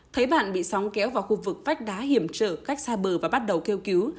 thấy bạn bị sóng kéo vào khu vực vách đá hiểm trở cách xa bờ và bắt đầu kêu cứu